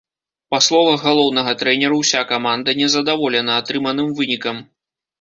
Па словах галоўнага трэнеру ўся каманда незадаволена атрыманым вынікам.